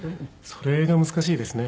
それが難しいですね。